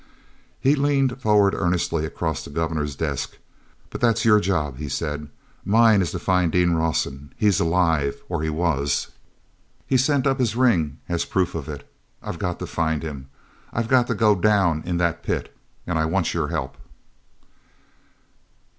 He leaned forward earnestly across the Governor's desk. "But that's your job," he said. "Mine is to find Dean Rawson. He's alive, or he was. He sent up his ring as proof of it. I've got to find him—I've got to go down in that pit and I want your help."